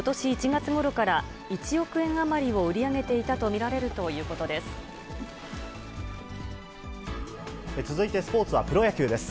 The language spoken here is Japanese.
１月ごろから１億円余りを売り上げていたと見られると続いてスポーツはプロ野球です。